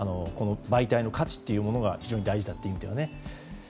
媒体の価値というものが非常に大事だという意味では。